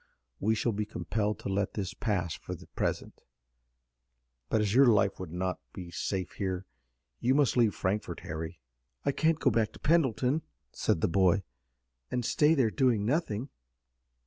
We shall be compelled to let this pass for the present, but as your life would not be safe here you must leave Frankfort, Harry." "I can't go back to Pendleton," said the boy, "and stay there, doing nothing."